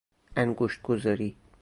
انگشت گذاری